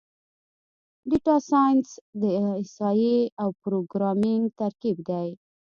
ډیټا سایننس د احصایې او پروګرامینګ ترکیب دی.